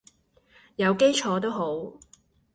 有基礎都好